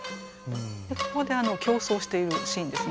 ここで競走しているシーンですね。